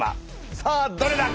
さあどれだ？